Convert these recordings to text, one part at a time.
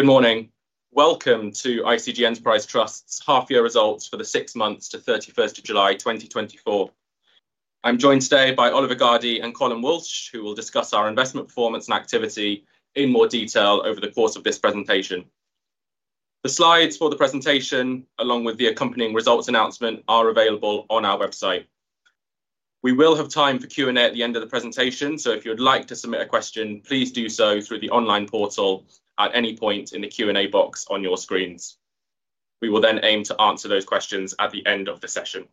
Good morning. Welcome to ICG Enterprise Trust's half-year results for the six months to 31 July 2024. I'm joined today by Oliver Gardey and Colm Walsh, who will discuss our investment performance and activity in more detail over the course of this presentation. The slides for the presentation, along with the accompanying results announcement, are available on our website. We will have time for Q&A at the end of the presentation, so if you would like to submit a question, please do so through the online portal at any point in the Q&A box on your screens. We will then aim to answer those questions at the end of the session.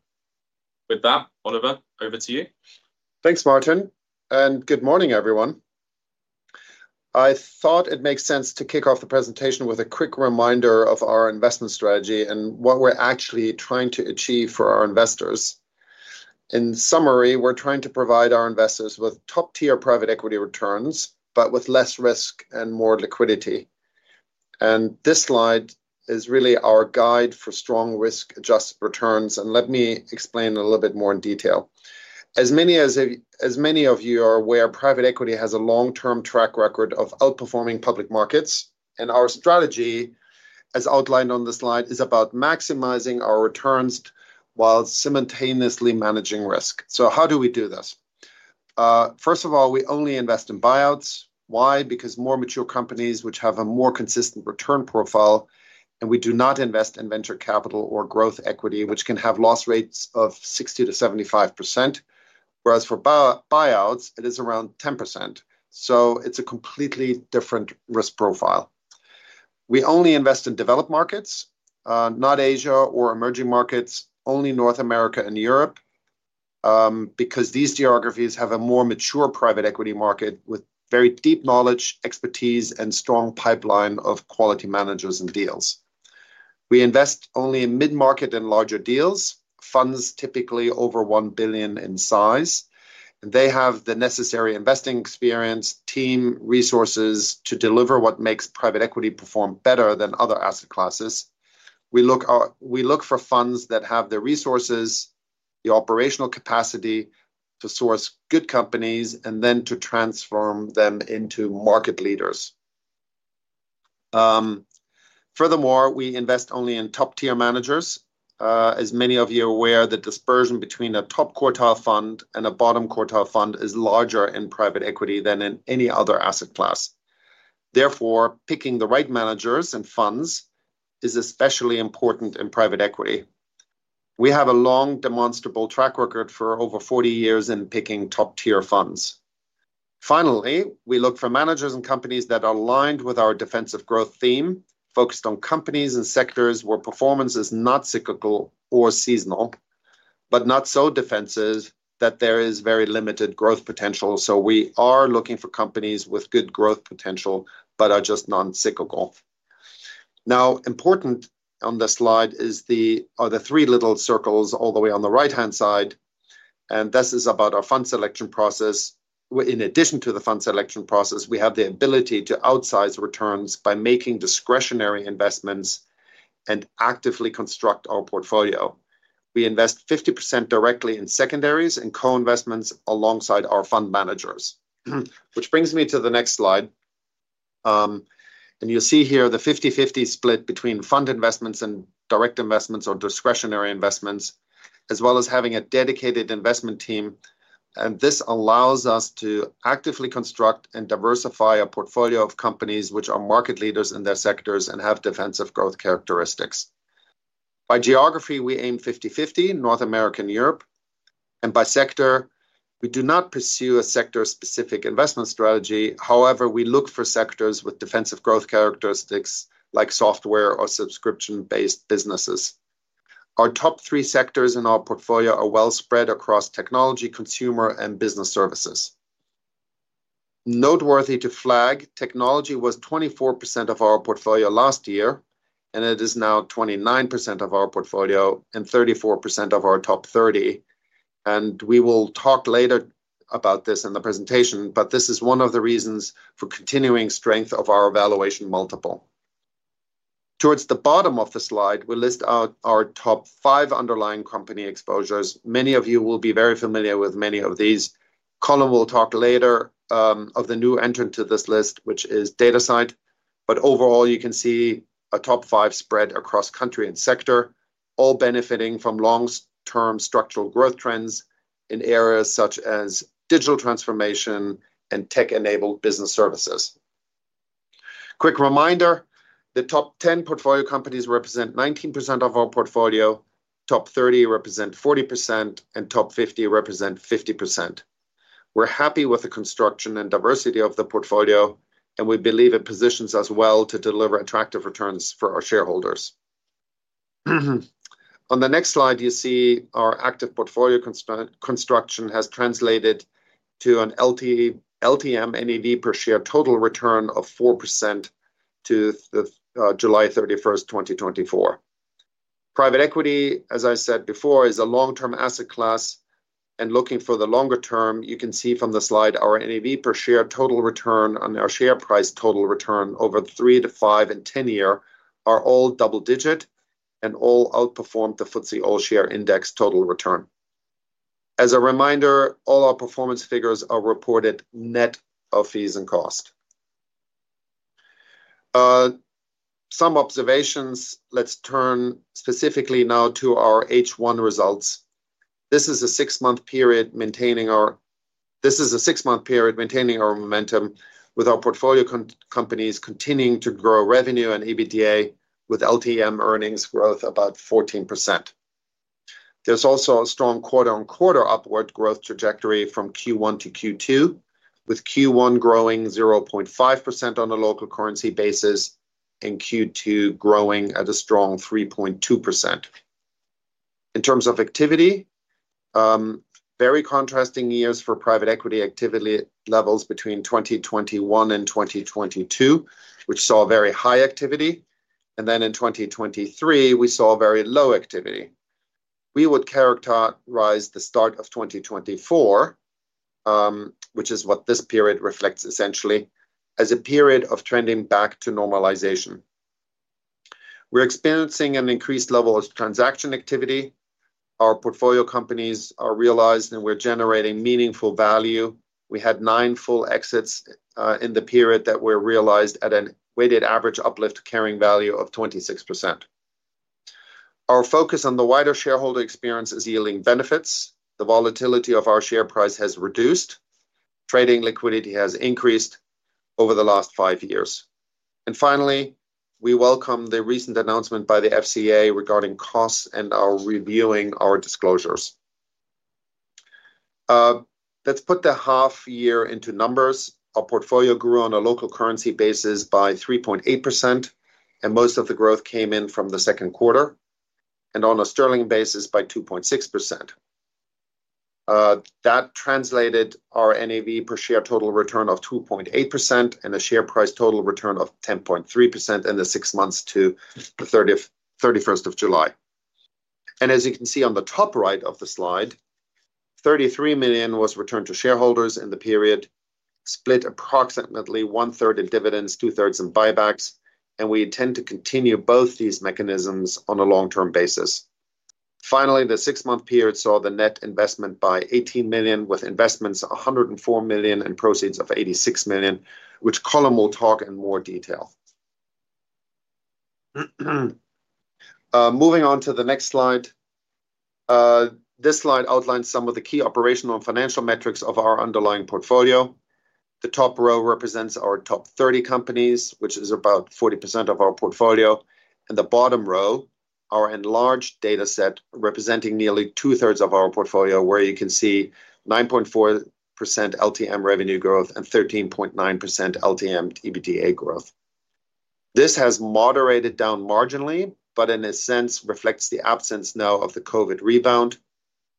With that, Oliver, over to you. Thanks, Martin, and good morning, everyone. I thought it makes sense to kick off the presentation with a quick reminder of our investment strategy and what we're actually trying to achieve for our investors. In summary, we're trying to provide our investors with top-tier private equity returns, but with less risk and more liquidity. And this slide is really our guide for strong risk-adjusted returns. And let me explain a little bit more in detail. As many of you are aware, private equity has a long-term track record of outperforming public markets. And our strategy, as outlined on the slide, is about maximizing our returns while simultaneously managing risk. So how do we do this? First of all, we only invest in buyouts. Why? Because more mature companies, which have a more consistent return profile, and we do not invest in venture capital or growth equity, which can have loss rates of 60%-75%. Whereas for buyouts, it is around 10%. So it's a completely different risk profile. We only invest in developed markets, not Asia or emerging markets, only North America and Europe, because these `geographies have a more mature private equity market with very deep knowledge, expertise, and strong pipeline of quality managers and deals. We invest only in mid-market and larger deals, funds typically over $1 billion in size. And they have the necessary investing experience, team resources to deliver what makes private equity perform better than other asset classes. We look for funds that have the resources, the operational capacity to source good companies, and then to transform them into market leaders. Furthermore, we invest only in top-tier managers. As many of you are aware, the dispersion between a top quartile fund and a bottom quartile fund is larger in private equity than in any other asset class. Therefore, picking the right managers and funds is especially important in private equity. We have a long demonstrable track record for over 40 years in picking top-tier funds. Finally, we look for managers and companies that are aligned with our defensive growth theme, focused on companies and sectors where performance is not cyclical or seasonal, but not so defensive that there is very limited growth potential, so we are looking for companies with good growth potential, but are just non-cyclical. Now, important on the slide are the three little circles all the way on the right-hand side, and this is about our fund selection process. In addition to the fund selection process, we have the ability to outsize returns by making discretionary investments and actively construct our portfolio. We invest 50% directly in secondaries and co-investments alongside our fund managers, which brings me to the next slide. And you'll see here the 50/50 split between fund investments and direct investments or discretionary investments, as well as having a dedicated investment team. And this allows us to actively construct and diversify a portfolio of companies which are market leaders in their sectors and have defensive growth characteristics. By geography, we aim 50/50 North America and Europe. And by sector, we do not pursue a sector-specific investment strategy. However, we look for sectors with defensive growth characteristics, like software or subscription-based businesses. Our top three sectors in our portfolio are well spread across technology, consumer, and business services. Noteworthy to flag, technology was 24% of our portfolio last year, and it is now 29% of our portfolio and 34% of our top 30. And we will talk later about this in the presentation, but this is one of the reasons for continuing strength of our valuation multiple. Towards the bottom of the slide, we list out our top five underlying company exposures. Many of you will be very familiar with many of these. Colm will talk later of the new entrant to this list, which is Datasite. But overall, you can see a top five spread across country and sector, all benefiting from long-term structural growth trends in areas such as digital transformation and tech-enabled business services. Quick reminder, the top 10 portfolio companies represent 19% of our portfolio, top 30 represent 40%, and top 50 represent 50%. We're happy with the construction and diversity of the portfolio, and we believe it positions us well to deliver attractive returns for our shareholders. On the next slide, you see our active portfolio construction has translated to an LTM NAV per share total return of 4% to July 31, 2024. Private equity, as I said before, is a long-term asset class, and looking for the longer term, you can see from the slide our NAV per share total return and our share price total return over three- to five- and 10-year are all double-digit and all outperformed the FTSE All-Share Index total return. As a reminder, all our performance figures are reported net of fees and cost. Some observations. Let's turn specifically now to our H1 results. This is a six-month period maintaining our momentum with our portfolio companies continuing to grow revenue and EBITDA with LTM earnings growth about 14%. There's also a strong quarter-on-quarter upward growth trajectory from Q1 to Q2, with Q1 growing 0.5% on a local currency basis and Q2 growing at a strong 3.2%. In terms of activity, very contrasting years for private equity activity levels between 2021 and 2022, which saw very high activity, and then in 2023, we saw very low activity. We would characterize the start of 2024, which is what this period reflects essentially, as a period of trending back to normalization. We're experiencing an increased level of transaction activity. Our portfolio companies are realized, and we're generating meaningful value. We had nine full exits in the period that were realized at a weighted average uplift carrying value of 26%. Our focus on the wider shareholder experience is yielding benefits. The volatility of our share price has reduced. Trading liquidity has increased over the last five years, and finally, we welcome the recent announcement by the FCA regarding costs and our reviewing our disclosures. Let's put the half-year into numbers. Our portfolio grew on a local currency basis by 3.8%, and most of the growth came in from the second quarter, and on a sterling basis by 2.6%. That translated our NAV per share total return of 2.8% and a share price total return of 10.3% in the six months to the 31st of July, and as you can see on the top right of the slide, 33 million was returned to shareholders in the period, split approximately one-third in dividends, two-thirds in buybacks, and we intend to continue both these mechanisms on a long-term basis. Finally, the six-month period saw the net investment of 18 million, with investments of 104 million and proceeds of 86 million, which Colm will talk in more detail. Moving on to the next slide. This slide outlines some of the key operational and financial metrics of our underlying portfolio. The top row represents our top 30 companies, which is about 40% of our portfolio. And the bottom row, our enlarged data set representing nearly two-thirds of our portfolio, where you can see 9.4% LTM revenue growth and 13.9% LTM EBITDA growth. This has moderated down marginally, but in a sense, reflects the absence now of the COVID rebound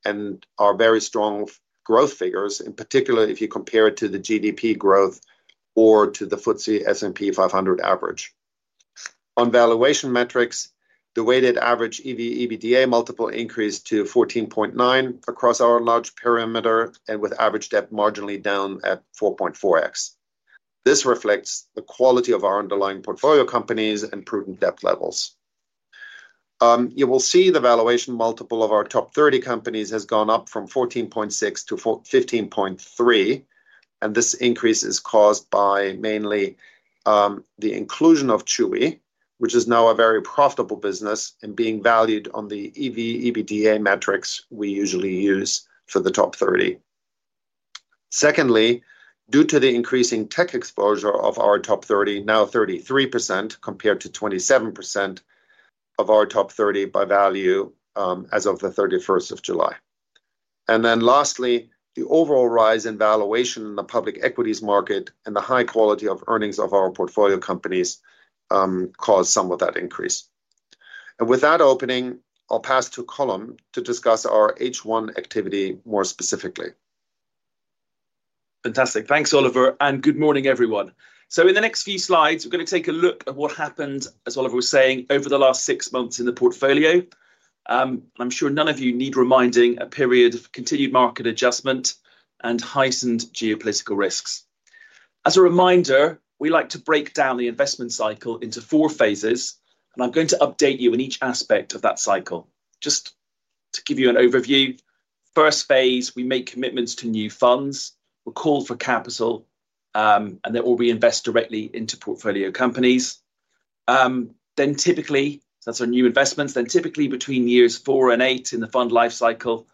and our very strong growth figures, in particular if you compare it to the GDP growth or to the FTSE S&P 500 average. On valuation metrics, the weighted average EV/EBITDA multiple increased to 14.9 across our large portfolio and with average debt marginally down at 4.4x. This reflects the quality of our underlying portfolio companies and prudent debt levels. You will see the valuation multiple of our top 30 companies has gone up from 14.6 to 15.3, and this increase is caused by mainly the inclusion of Chewy, which is now a very profitable business and being valued on the EV/EBITDA metrics we usually use for the top 30. Secondly, due to the increasing tech exposure of our top 30, now 33% compared to 27% of our top 30 by value as of the 31st of July, and then lastly, the overall rise in valuation in the public equities market and the high quality of earnings of our portfolio companies caused some of that increase. With that opening, I'll pass to Colm to discuss our H1 activity more specifically. Fantastic. Thanks, Oliver. And good morning, everyone. So in the next few slides, we're going to take a look at what happened, as Oliver was saying, over the last six months in the portfolio. And I'm sure none of you need reminding of a period of continued market adjustment and heightened geopolitical risks. As a reminder, we like to break down the investment cycle into four phases, and I'm going to update you on each aspect of that cycle. Just to give you an overview, first phase, we make commitments to new funds. We'll call for capital, and then we'll reinvest directly into portfolio companies. Then typically, that's our new investments. Then typically, between years four and eight in the fund lifecycle,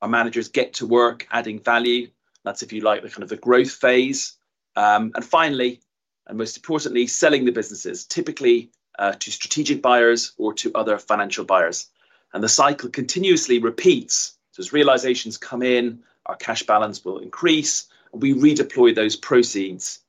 our managers get to work adding value. That's, if you like, the kind of growth phase. And finally, and most importantly, selling the businesses, typically to strategic buyers or to other financial buyers. And the cycle continuously repeats. Those realizations come in, our cash balance will increase, and we redeploy those proceeds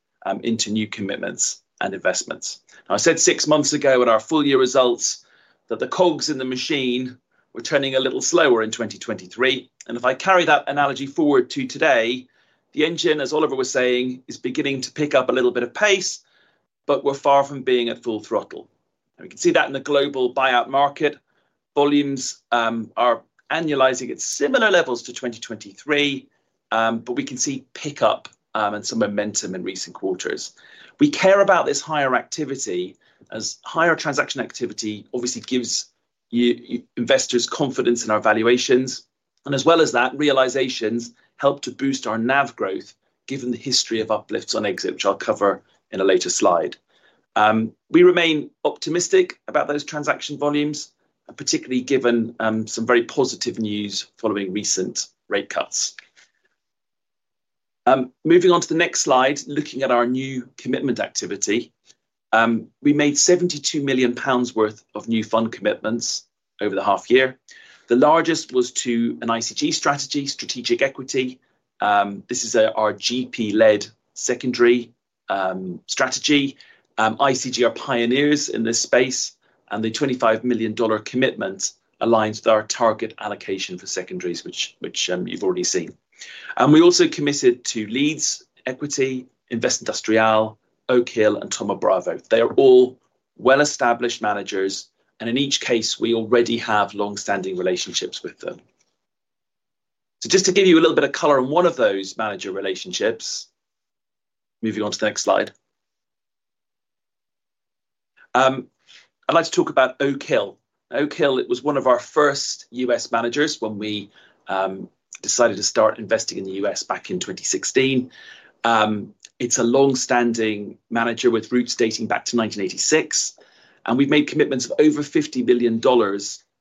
into new commitments and investments. Now, I said six months ago in our full-year results that the cogs in the machine were turning a little slower in 2023. And if I carry that analogy forward to today, the engine, as Oliver was saying, is beginning to pick up a little bit of pace, but we're far from being at full throttle. And we can see that in the global buyout market. Volumes are annualizing at similar levels to 2023, but we can see pickup and some momentum in recent quarters. We care about this higher activity as higher transaction activity obviously gives investors confidence in our valuations. As well as that, realizations help to boost our NAV growth given the history of uplifts on exit, which I'll cover in a later slide. We remain optimistic about those transaction volumes, particularly given some very positive news following recent rate cuts. Moving on to the next slide, looking at our new commitment activity, we made 72 million pounds worth of new fund commitments over the half-year. The largest was to an ICG Strategic Equity. This is our GP-led secondary strategy. ICG are pioneers in this space, and the $25 million commitment aligns with our target allocation for secondaries, which you've already seen. We also committed to Leeds Equity, Investindustrial, Oak Hill, and Thoma Bravo. They are all well-established managers, and in each case, we already have long-standing relationships with them. Just to give you a little bit of color on one of those manager relationships, moving on to the next slide, I'd like to talk about Oak Hill. Oak Hill, it was one of our first U.S. managers when we decided to start investing in the U.S. back in 2016. It's a long-standing manager with roots dating back to 1986, and we've made commitments of over $50 million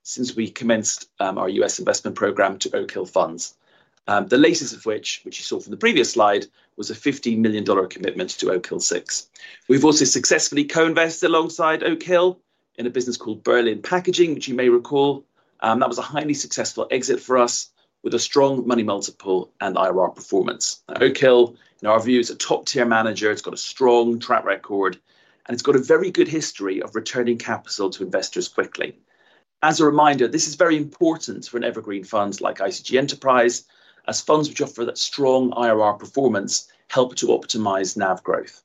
since we commenced our U.S. investment program to Oak Hill Funds. The latest of which, which you saw from the previous slide, was a $15 million commitment to Oak Hill VI. We've also successfully co-invested alongside Oak Hill in a business called Berlin Packaging, which you may recall. That was a highly successful exit for us with a strong money multiple and IRR performance. Oak Hill, in our view, is a top-tier manager. It's got a strong track record, and it's got a very good history of returning capital to investors quickly. As a reminder, this is very important for an evergreen fund like ICG Enterprise, as funds which offer that strong IRR performance help to optimize NAV growth.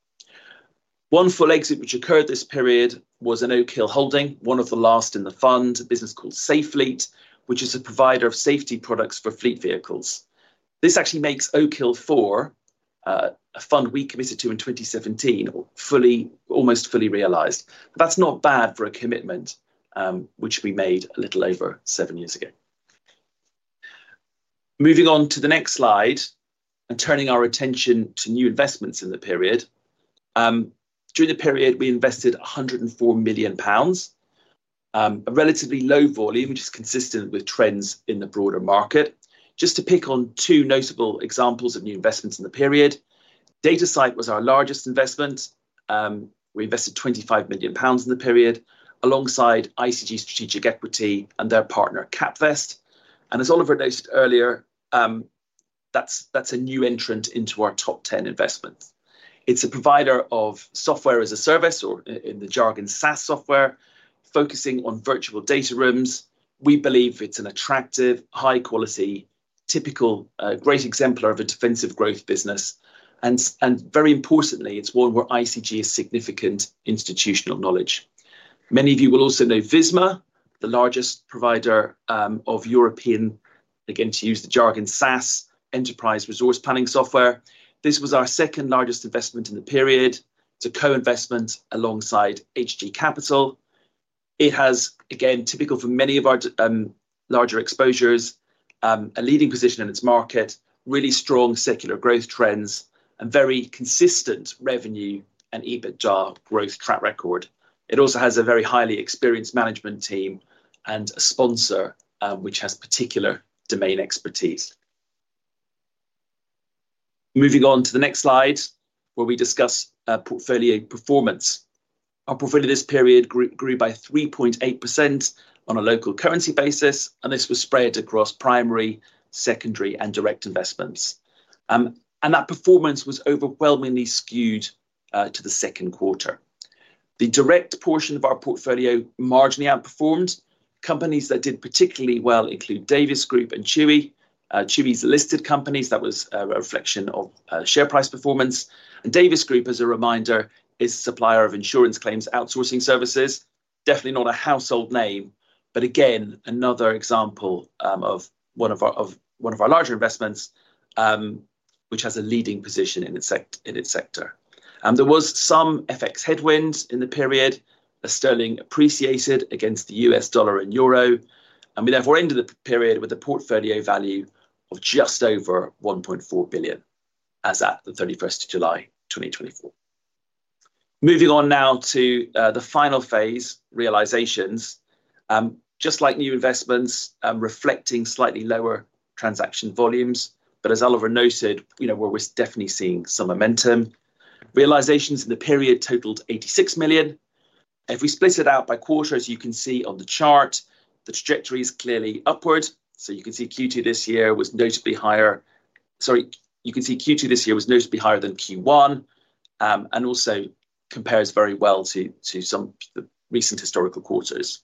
One full exit which occurred this period was an Oak Hill holding, one of the last in the fund, a business called Safe Fleet, which is a provider of safety products for fleet vehicles. This actually makes Oak Hill IV, a fund we committed to in 2017, almost fully realized. That's not bad for a commitment which we made a little over seven years ago. Moving on to the next slide and turning our attention to new investments in the period. During the period, we invested 104 million pounds, a relatively low volume, which is consistent with trends in the broader market. Just to pick on two notable examples of new investments in the period, Datasite was our largest investment. We invested 25 million pounds in the period alongside ICG Strategic Equity and their partner, CapVest. And as Oliver noted earlier, that's a new entrant into our top 10 investments. It's a provider of software as a service, or in the jargon, SaaS software, focusing on virtual data rooms. We believe it's an attractive, high-quality, typical, great exemplar of a defensive growth business. And very importantly, it's one where ICG has significant institutional knowledge. Many of you will also know Visma, the largest provider of European, again, to use the jargon, SaaS Enterprise Resource Planning software. This was our second largest investment in the period. It's a co-investment alongside HgCapital. It has, again, typical for many of our larger exposures, a leading position in its market, really strong secular growth trends, and very consistent revenue and EBITDA growth track record. It also has a very highly experienced management team and a sponsor which has particular domain expertise. Moving on to the next slide, where we discuss portfolio performance. Our portfolio this period grew by 3.8% on a local currency basis, and this was spread across primary, secondary, and direct investments, and that performance was overwhelmingly skewed to the second quarter. The direct portion of our portfolio marginally outperformed. Companies that did particularly well include Davies Group and Chewy. Chewy, as a listed company, that was a reflection of share price performance. Davies Group, as a reminder, is a supplier of insurance claims outsourcing services. Definitely not a household name, but again, another example of one of our larger investments which has a leading position in its sector. There was some FX headwinds in the period. The sterling appreciated against the U.S. dollar and euro. And we therefore ended the period with a portfolio value of just over 1.4 billion as at the 31st of July 2024. Moving on now to the final phase, realizations. Just like new investments, reflecting slightly lower transaction volumes, but as Oliver noted, we're definitely seeing some momentum. Realizations in the period totaled 86 million. If we split it out by quarter, as you can see on the chart, the trajectory is clearly upward. So you can see Q2 this year was notably higher. Sorry, you can see Q2 this year was notably higher than Q1 and also compares very well to some of the recent historical quarters.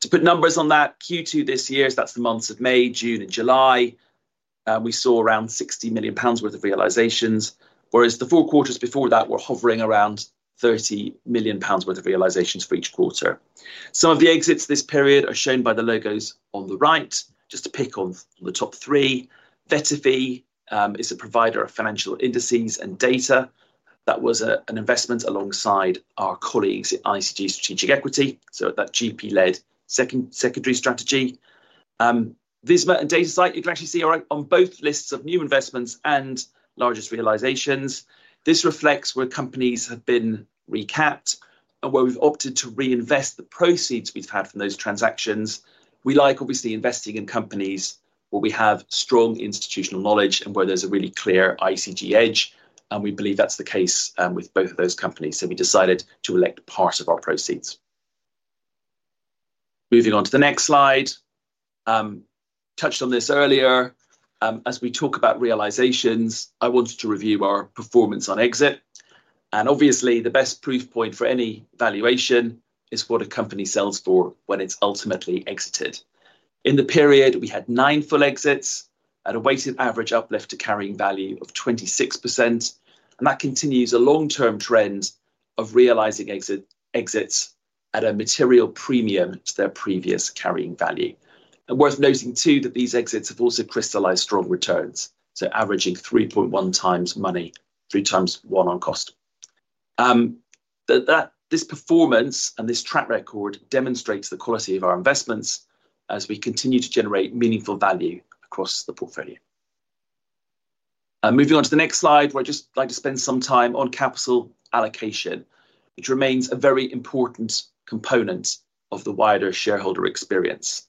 To put numbers on that, Q2 this year, that's the months of May, June, and July, we saw around 60 million pounds worth of realizations, whereas the four quarters before that were hovering around 30 million pounds worth of realizations for each quarter. Some of the exits this period are shown by the logos on the right. Just to pick on the top three, VettaFi is a provider of financial indices and data. That was an investment alongside our colleagues at ICG Strategic Equity, so that GP-led secondary strategy. Visma and Datasite, you can actually see are on both lists of new investments and largest realizations. This reflects where companies have been recapped and where we've opted to reinvest the proceeds we've had from those transactions. We like, obviously, investing in companies where we have strong institutional knowledge and where there's a really clear ICG edge, and we believe that's the case with both of those companies. So we decided to elect part of our proceeds. Moving on to the next slide. Touched on this earlier. As we talk about realizations, I wanted to review our performance on exit. And obviously, the best proof point for any valuation is what a company sells for when it's ultimately exited. In the period, we had nine full exits at a weighted average uplift to carrying value of 26%. And that continues a long-term trend of realizing exits at a material premium to their previous carrying value. And worth noting, too, that these exits have also crystallized strong returns, so averaging 3.1x money, 3 x 1 on cost. This performance and this track record demonstrates the quality of our investments as we continue to generate meaningful value across the portfolio. Moving on to the next slide, where I'd just like to spend some time on capital allocation, which remains a very important component of the wider shareholder experience.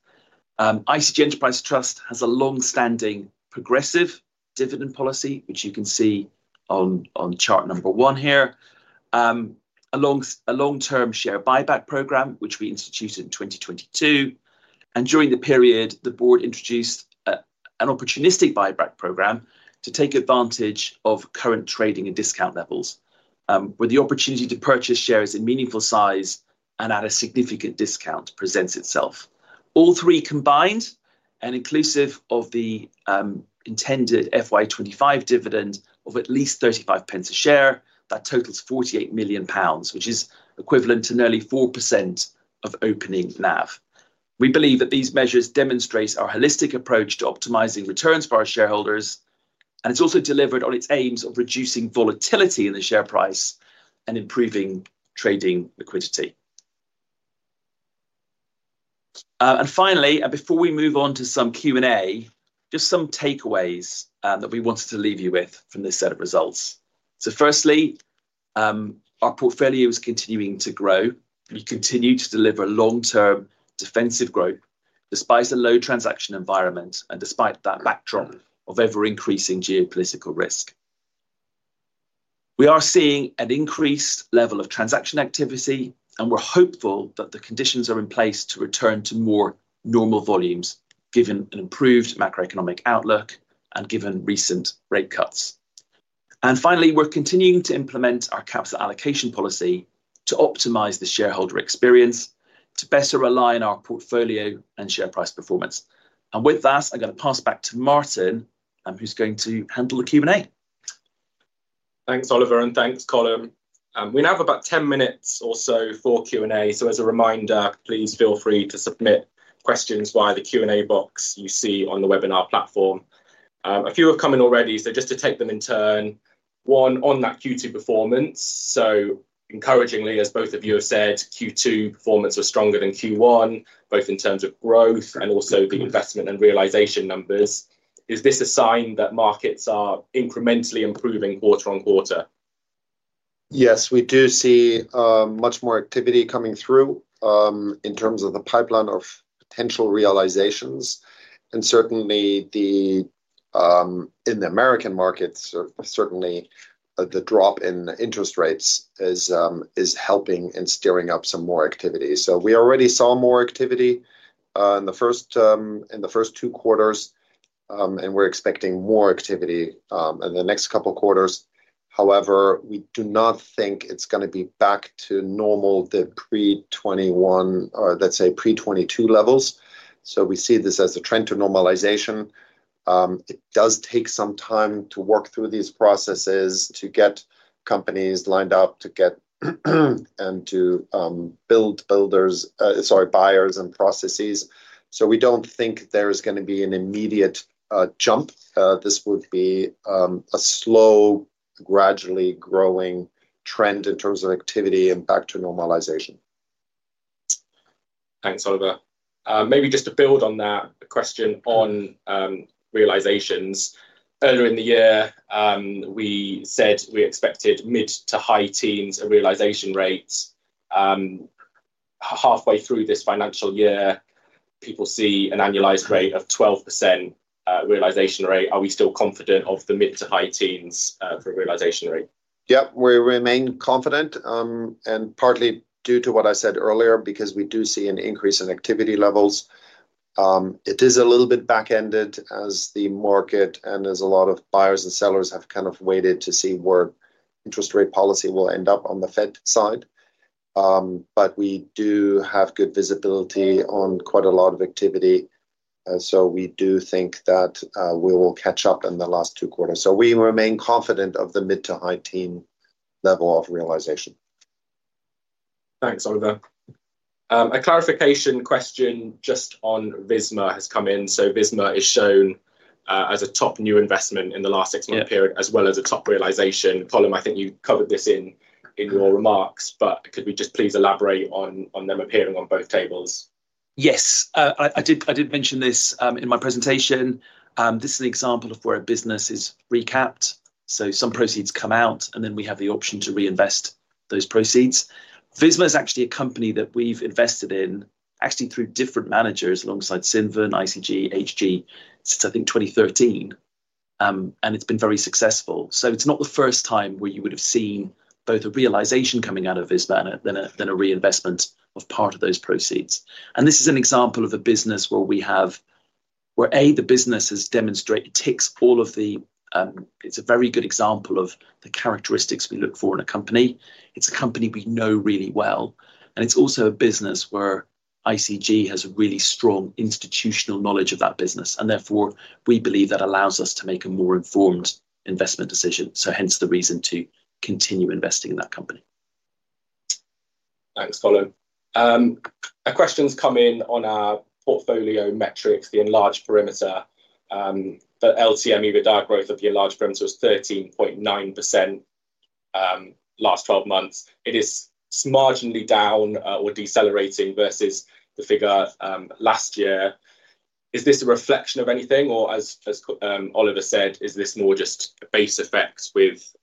ICG Enterprise Trust has a long-standing progressive dividend policy, which you can see on chart number one here, a long-term share buyback program, which we instituted in 2022. And during the period, the board introduced an opportunistic buyback program to take advantage of current trading and discount levels, with the opportunity to purchase shares in meaningful size and at a significant discount presents itself. All three combined and inclusive of the intended FY 2025 dividend of at least 0.35 a share, that totals 48 million pounds, which is equivalent to nearly 4% of opening NAV. We believe that these measures demonstrate our holistic approach to optimizing returns for our shareholders, and it's also delivered on its aims of reducing volatility in the share price and improving trading liquidity, and finally, and before we move on to some Q&A, just some takeaways that we wanted to leave you with from this set of results, so firstly, our portfolio is continuing to grow. We continue to deliver long-term defensive growth despite a low transaction environment and despite that backdrop of ever-increasing geopolitical risk. We are seeing an increased level of transaction activity, and we're hopeful that the conditions are in place to return to more normal volumes given an improved macroeconomic outlook and given recent rate cuts, and finally, we're continuing to implement our capital allocation policy to optimize the shareholder experience to better align our portfolio and share price performance. And with that, I'm going to pass back to Martin, who's going to handle the Q&A. Thanks, Oliver, and thanks, Colm. We now have about 10 minutes or so for Q&A. So as a reminder, please feel free to submit questions via the Q&A box you see on the webinar platform. A few have come in already, so just to take them in turn. One on that Q2 performance. So encouragingly, as both of you have said, Q2 performance was stronger than Q1, both in terms of growth and also the investment and realization numbers. Is this a sign that markets are incrementally improving quarter on quarter? Yes, we do see much more activity coming through in terms of the pipeline of potential realizations. And certainly, in the American markets, certainly the drop in interest rates is helping and stirring up some more activity. We already saw more activity in the first two quarters, and we're expecting more activity in the next couple of quarters. However, we do not think it's going to be back to normal pre-2021, let's say pre-2022 levels. We see this as a trend to normalization. It does take some time to work through these processes to get companies lined up and to build builders, sorry, buyers and processes. We don't think there's going to be an immediate jump. This would be a slow, gradually growing trend in terms of activity and back to normalization. Thanks, Oliver. Maybe just to build on that question on realizations. Earlier in the year, we said we expected mid to high teens of realization rates. Halfway through this financial year, people see an annualized rate of 12% realization rate. Are we still confident of the mid to high teens for realization rate? Yep, we remain confident, and partly due to what I said earlier, because we do see an increase in activity levels. It is a little bit back-ended as the market and as a lot of buyers and sellers have kind of waited to see where interest rate policy will end up on the Fed side. But we do have good visibility on quite a lot of activity. So we do think that we will catch up in the last two quarters. So we remain confident of the mid to high teens level of realization. Thanks, Oliver. A clarification question just on Visma has come in. So Visma is shown as a top new investment in the last six-month period as well as a top realization. Colm, I think you covered this in your remarks, but could we just please elaborate on them appearing on both tables? Yes. I did mention this in my presentation. This is an example of where a business is recapped. So some proceeds come out, and then we have the option to reinvest those proceeds. Visma is actually a company that we've invested in, actually through different managers alongside Cinven and ICG, Hg, since, I think, 2013. And it's been very successful. So it's not the first time where you would have seen both a realization coming out of Visma and then a reinvestment of part of those proceeds. And this is an example of a business where we have, where a the business has demonstrated, ticks all of the, it's a very good example of the characteristics we look for in a company. It's a company we know really well. It's also a business where ICG has a really strong institutional knowledge of that business. Therefore, we believe that allows us to make a more informed investment decision. Hence the reason to continue investing in that company. Thanks, Colm. A question's come in on our portfolio metrics, the enlarged perimeter. LTM, you would argue growth of the enlarged perimeter was 13.9% last 12 months. It is marginally down or decelerating versus the figure last year. Is this a reflection of anything, or as Oliver said, is this more just a base effect with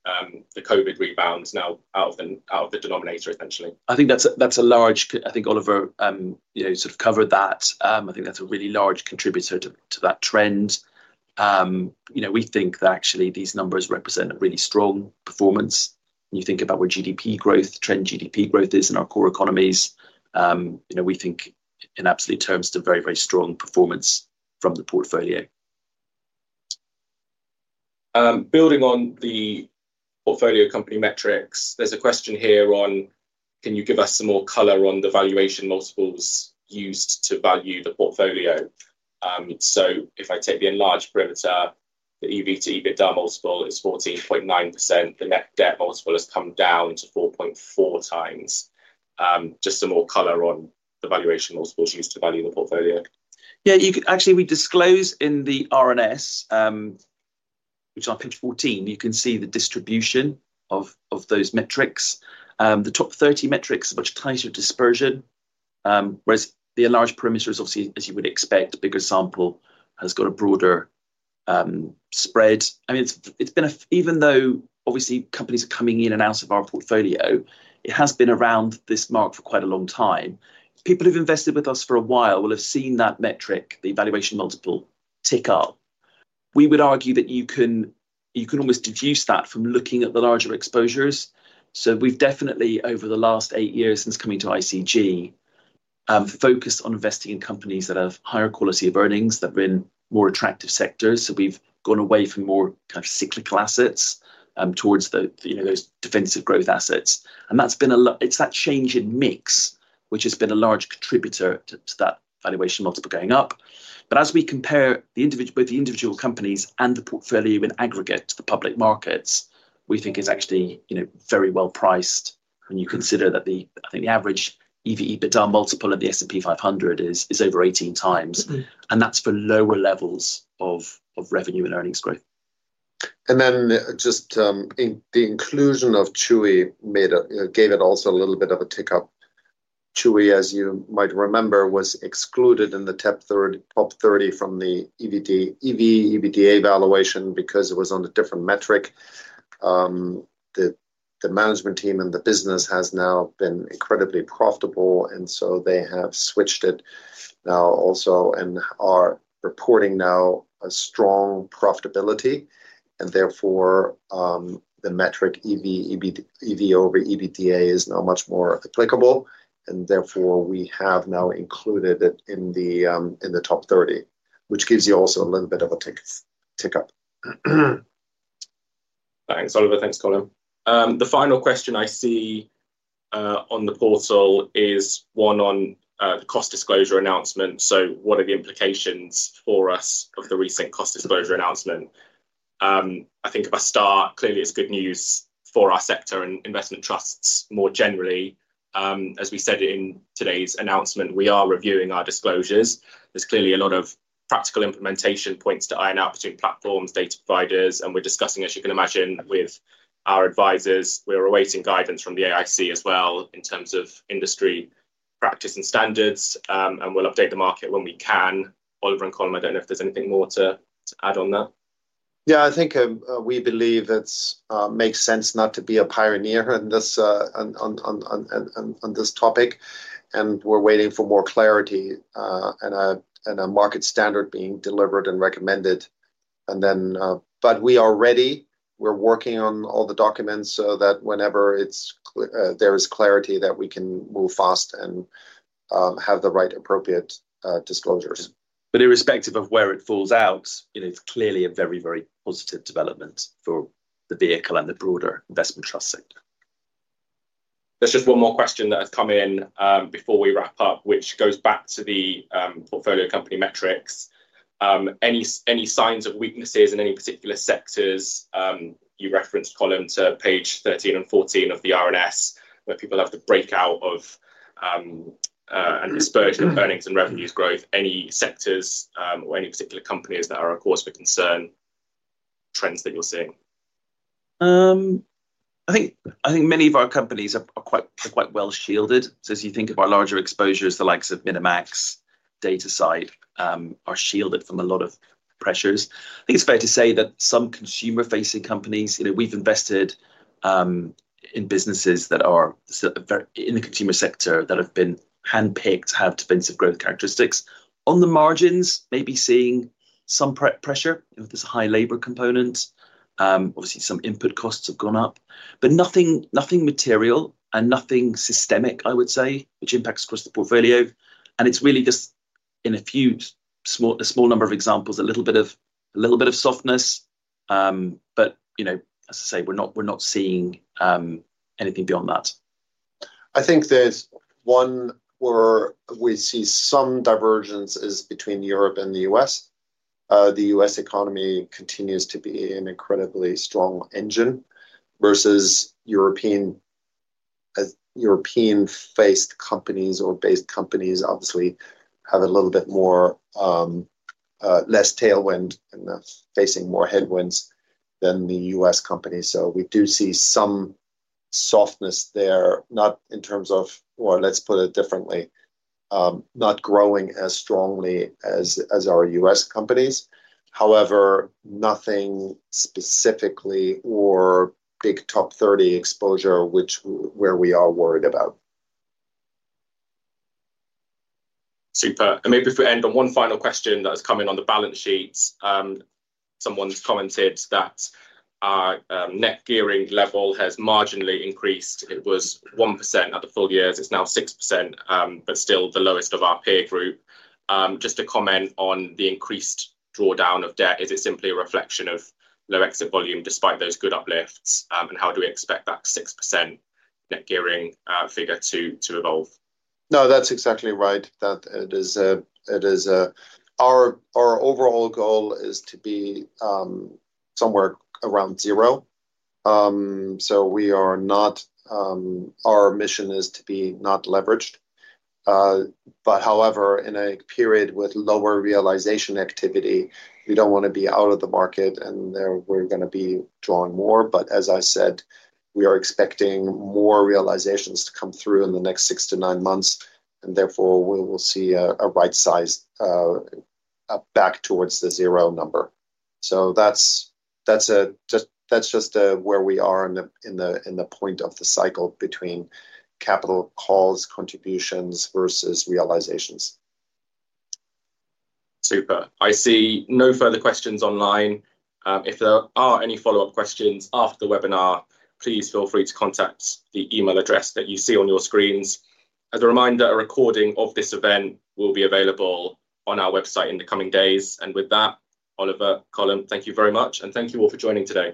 the COVID rebounds now out of the denominator, essentially? I think that's a large, I think Oliver, you know, sort of covered that. I think that's a really large contributor to that trend. We think that actually these numbers represent a really strong performance. You think about where GDP growth, trend GDP growth is in our core economies. We think in absolute terms, it's a very, very strong performance from the portfolio. Building on the portfolio company metrics, there's a question here on, can you give us some more color on the valuation multiples used to value the portfolio? So if I take the enlarged perimeter, the EV to EBITDA multiple is 14.9%. The net debt multiple has come down to 4.4x. Just some more color on the valuation multiples used to value the portfolio. Yeah, actually, we disclose in the R&S, which is on page 14, you can see the distribution of those metrics. The top 30 metrics are much tighter dispersion, whereas the enlarged perimeter is obviously, as you would expect, a bigger sample has got a broader spread. I mean, it's been, even though obviously companies are coming in and out of our portfolio, it has been around this mark for quite a long time. People who've invested with us for a while will have seen that metric, the valuation multiple tick up. We would argue that you can almost deduce that from looking at the larger exposures. So we've definitely, over the last eight years since coming to ICG, focused on investing in companies that have higher quality of earnings, that are in more attractive sectors. So we've gone away from more kind of cyclical assets towards those defensive growth assets. And that's been a lot, it's that change in mix, which has been a large contributor to that valuation multiple going up. As we compare both the individual companies and the portfolio in aggregate to the public markets, we think it's actually very well priced when you consider that, I think, the average EV/EBITDA multiple of the S&P 500 is over 18x. That's for lower levels of revenue and earnings growth. Just the inclusion of Chewy gave it also a little bit of a tick up. Chewy, as you might remember, was excluded in the top 30 from the EV/EBITDA valuation because it was on a different metric. The management team and the business has now been incredibly profitable, and so they have switched it now also and are reporting now a strong profitability. Therefore, the metric EV/EBITDA is now much more applicable. And therefore, we have now included it in the top 30, which gives you also a little bit of a tick up. Thanks, Oliver. Thanks, Colm. The final question I see on the portal is one on the cost disclosure announcement. So what are the implications for us of the recent cost disclosure announcement? I think if I start, clearly it's good news for our sector and investment trusts more generally. As we said in today's announcement, we are reviewing our disclosures. There's clearly a lot of practical implementation points to iron out between platforms, data providers. And we're discussing, as you can imagine, with our advisors. We're awaiting guidance from the AIC as well in terms of industry practice and standards. And we'll update the market when we can. Oliver and Colm, I don't know if there's anything more to add on that. Yeah, I think we believe it makes sense not to be a pioneer on this topic. We're waiting for more clarity and a market standard being delivered and recommended. Then, but we are ready. We're working on all the documents so that whenever there is clarity, that we can move fast and have the right appropriate disclosures. But irrespective of where it falls out, it's clearly a very, very positive development for the vehicle and the broader investment trust sector. There's just one more question that has come in before we wrap up, which goes back to the portfolio company metrics. Any signs of weaknesses in any particular sectors? You referenced Colm to page 13 and 14 of the RNS, where people have to break out and disclose earnings and revenues growth. Any sectors or any particular companies that are a cause for concern, trends that you're seeing? I think many of our companies are quite well shielded. So as you think of our larger exposures, the likes of Minimax, Datasite are shielded from a lot of pressures. I think it's fair to say that some consumer-facing companies, we've invested in businesses that are in the consumer sector that have been handpicked, have defensive growth characteristics. On the margins, maybe seeing some pressure with this high labor component. Obviously, some input costs have gone up, but nothing material and nothing systemic, I would say, which impacts across the portfolio. And it's really just in a few small number of examples, a little bit of softness. But as I say, we're not seeing anything beyond that. I think there's one where we see some divergences between Europe and the U.S. The U.S. economy continues to be an incredibly strong engine versus European-based companies or based companies obviously have a little bit less tailwind and facing more headwinds than the U.S. companies. So we do see some softness there, not in terms of, or let's put it differently, not growing as strongly as our U.S. companies. However, nothing specifically or big top 30 exposure, which we are worried about. Super. And maybe if we end on one final question that has come in on the balance sheets, someone's commented that our net gearing level has marginally increased. It was 1% at the full years. It's now 6%, but still the lowest of our peer group. Just a comment on the increased drawdown of debt. Is it simply a reflection of low exit volume despite those good uplifts? And how do we expect that 6% net gearing figure to evolve? No, that's exactly right. It is our overall goal to be somewhere around zero. So we are not, our mission is to be not leveraged. But however, in a period with lower realization activity, we don't want to be out of the market and we're going to be drawing more. But as I said, we are expecting more realizations to come through in the next six-to-nine months. And therefore, we will see a right size back towards the zero number. So that's just where we are in the point of the cycle between capital calls, contributions versus realizations. Super. I see no further questions online. If there are any follow-up questions after the webinar, please feel free to contact the email address that you see on your screens. As a reminder, a recording of this event will be available on our website in the coming days. And with that, Oliver, Colm, thank you very much. And thank you all for joining today.